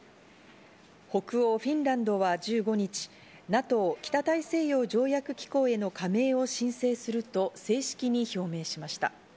北欧フィンランドは１５日、ＮＡＴＯ＝北大西洋条約機構への加盟を申請すると正式に表明しました。